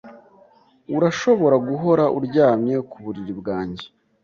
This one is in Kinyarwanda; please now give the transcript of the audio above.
Urashobora guhora uryamye ku buriri bwanjye.